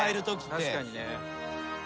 確かにね。